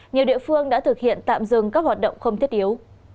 nhiều địa phương đã thực hiện tạm dừng các hoạt động không thiết yếu